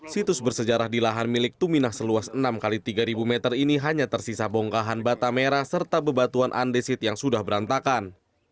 situs bersejarah di lahan milik tuminah seluas enam x tiga ribu meter ini hanya tersisa bongkahan bata merah serta bebatuan andesit yang sudah berantakan